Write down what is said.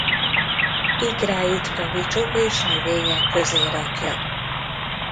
Ikráit kavicsok és növények közé rakja.